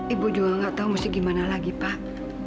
ibu juga gak tau mesti gimana lagi pak